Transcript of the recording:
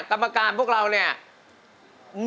กรรมการพวกเราเนี่ย